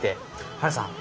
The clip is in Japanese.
ハルさん